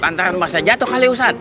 tantangan masnya jatuh kali ya ustadz